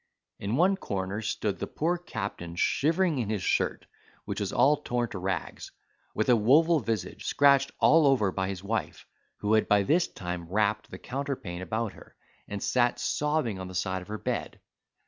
In one corner stood the poor captain shivering in his shirt, which was all torn to rags: with a woeful visage, scratched all over by his wife, who had by this time wrapped the counterpane about her, and sat sobbing on the side of her bed.